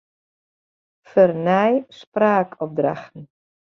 Fernij spraakopdrachten.